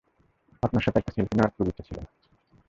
আপনার সাথে একটা সেলফি নেওয়ার খুব ইচ্ছা ছিল।